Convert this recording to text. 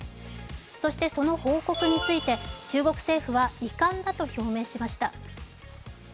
そしてその報告について中国政府は遺憾だと表明しました。